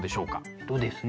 えっとですね